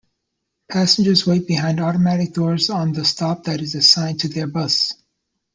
Passengers wait behind automatic doors on the stop that is assigned to their bus.